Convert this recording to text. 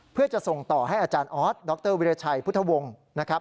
เพื่อจะส่งต่อให้อาจารย์ออสดรวิราชัยพุทธวงศ์นะครับ